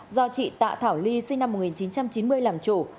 do chị tạ thảo ly sinh năm một nghìn chín trăm chín mươi làm chủ